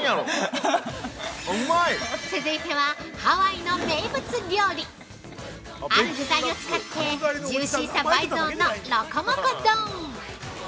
◆続いては、ハワイの名物料理ある具材を使ってジューシーさ倍増のロコモコ丼。